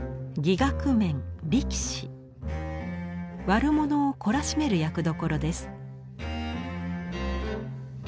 悪者を懲らしめる役どころです。